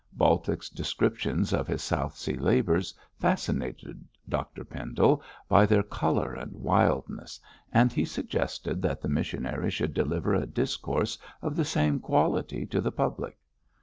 Baltic's descriptions of his South Sea labours fascinated Dr Pendle by their colour and wildness, and he suggested that the missionary should deliver a discourse of the same quality to the public.